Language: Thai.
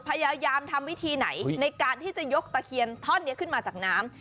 พยายามทำวิธีไหนในการที่จะยกตะเคียนท่อนนี้ขึ้นมาจากน้ำ